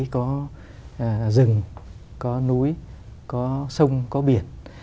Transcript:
có rừng có núi có sông có biển